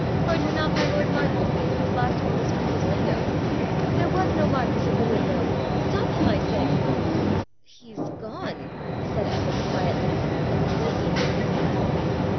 'Heard you not my lord marquis give him his last orders from his window?' 'There was no marquis at the window. Stop him, I say.' 'He's gone,' said Eccles quietly, but with waking uneasiness.